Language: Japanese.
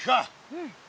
うん。